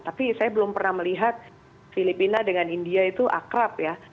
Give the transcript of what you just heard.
tapi saya belum pernah melihat filipina dengan india itu akrab ya